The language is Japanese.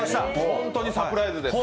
ホントにサプライズです。